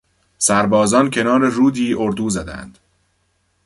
سربازان کنار رودی اردو زدند.